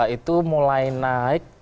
itu mulai naik